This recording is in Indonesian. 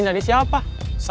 makasih ya pak